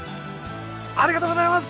ありがとうございます！